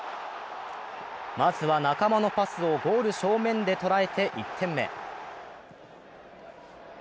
まずは仲間のパスをゴール正面で捉えて１点目。